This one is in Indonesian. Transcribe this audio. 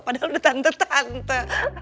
padahal udah tante tante